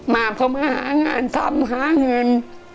มาเพราะมาหางานทำหาเงิน